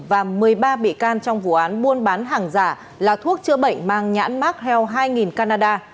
và một mươi ba bị can trong vụ án muôn bán hàng giả là thuốc chữa bệnh mang nhãn mark hell hai nghìn canada